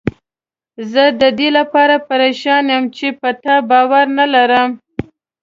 زه ددې لپاره پریشان یم چې په تا باور نه لرم.